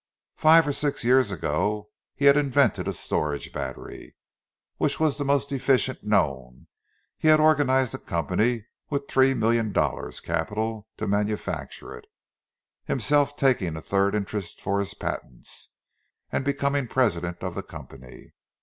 Five or six years ago he had invented a storage battery, which was the most efficient known. He had organised a company with three million dollars' capital to manufacture it, himself taking a third interest for his patents, and becoming president of the company.